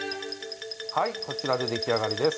はいこちらで出来上がりです。